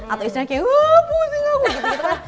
atau istrinya kayak waaaah pusing aku gitu gitu